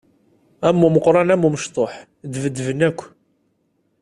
Am umeqqran am umecṭuḥ, ddbedben akk!